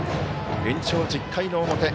延長１０回の表。